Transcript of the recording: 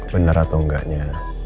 benar atau enggaknya